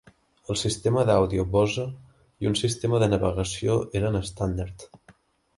El sistema d'àudio Bose i un sistema de navegació eren estàndard.